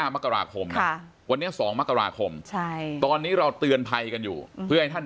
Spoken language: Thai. มกราคมวันนี้๒มกราคมตอนนี้เราเตือนภัยกันอยู่เพื่อให้ท่าน